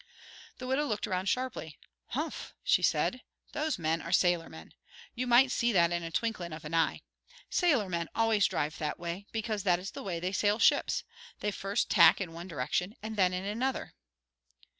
The widow looked around sharply. "Humph!" said she. "Those men are sailormen. You might see that in a twinklin' of an eye. Sailormen always drive that way, because that is the way they sail ships. They first tack in one direction and then in another."